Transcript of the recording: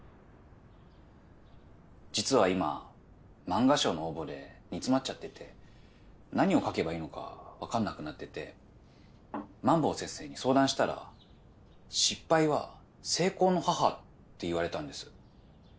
実は今漫画賞の応募で煮詰まっちゃってて何をかけばいいのか分かんなくなってて萬坊先生に相談したら「失敗は成功の母」って言われたんです。